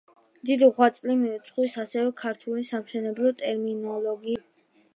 დიდი ღვაწლი მიუძღვის ასევე ქართული სამშენებლო ტერმინოლოგიის დამუშავების საქმეში.